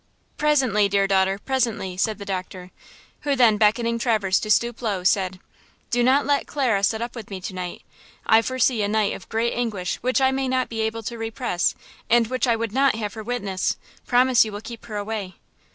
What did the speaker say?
"Presently, dear daughter–presently," said the doctor, who then, beckoning Traverse to stoop low, said: "Do not let Clara sit up with me to night. I foresee a night of great anguish which I may not be able to repress, and which I would not have her witness! Promise you will keep her away."